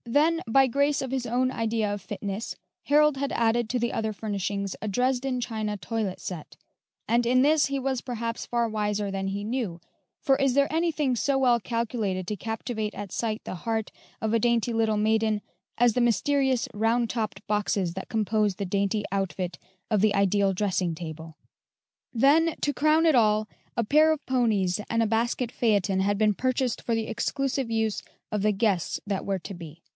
Then, by grace of his own idea of fitness, Harold had added to the other furnishings a Dresden china toilet set, and in this he was perhaps far wiser than he knew, for is there anything so well calculated to captivate at sight the heart of a dainty little maiden as the mysterious round topped boxes that compose the dainty outfit of the ideal dressing table? Then, to crown it all, a pair of ponies and a basket phaeton had been purchased for the exclusive use of the guests that were to be.